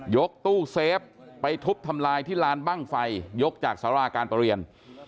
กตู้เซฟไปทุบทำลายที่ลานบ้างไฟยกจากสาราการประเรียน